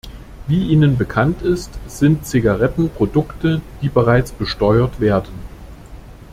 Wie Ihnen bekannt ist, sind Zigaretten Produkte, die bereits besteuert werden.